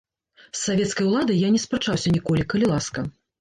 З савецкай уладай я не спрачаўся ніколі, калі ласка.